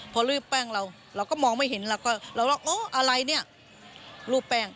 พอลืบแป้งเราเราก็มองไม่เห็นเราก็เราอ๋ออะไรเนี่ยรูปแป้ง